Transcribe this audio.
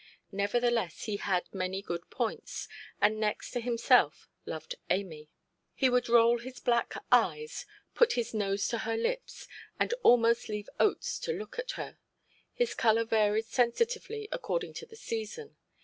Nevertheless he had many good points, and next to himself loved Amy. He would roll his black eyes, put his nose to her lips, and almost leave oats to look at her. His colour varied sensitively according to the season.